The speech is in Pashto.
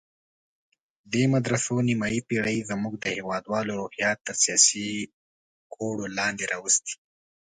دې مدرسو نیمه پېړۍ زموږ د هېوادوالو روحیات تر سیاسي کوډو لاندې راوستي.